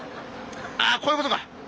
あこういうことか！